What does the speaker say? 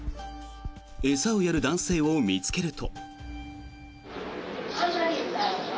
餌をやる男性を見つけると。